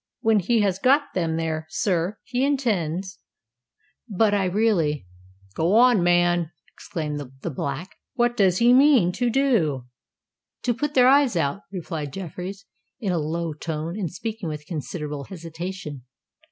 When he has got them there, sir, he intends——But I really——" "Go on, man!" exclaimed the Black. "What does he mean to do?" "To put their eyes out," replied Jeffreys, in a low tone, and speaking with considerable hesitation.